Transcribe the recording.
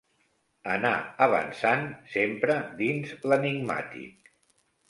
Anar avançant sempre dins l’enigmàtic